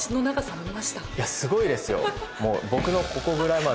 いやすごいですよ。